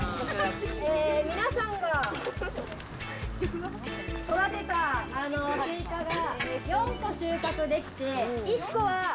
皆さんが育てたスイカが４個収穫できて、１個は。